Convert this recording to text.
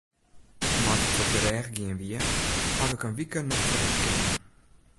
Nei't ik troch de rêch gien wie, haw ik in wike net traine kinnen.